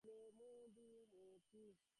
হে আধুনিক হিন্দুগণ, এই মোহজাল ছিন্ন কর।